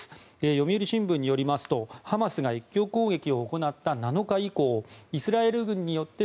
読売新聞によりますとハマスが奇襲攻撃を行った７日以降イスラエル軍によって